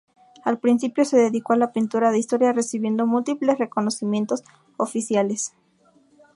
Al principio, se dedicó a la pintura de historia recibiendo múltiples reconocimientos oficiales.